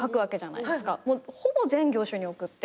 ほぼ全業種に送って。